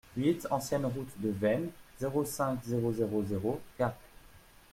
huit ancienne Route de Veynes, zéro cinq, zéro zéro zéro Gap